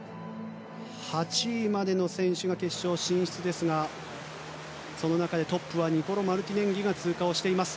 ８位までの選手が決勝進出ですがその中でトップマルティネンギが通過しています。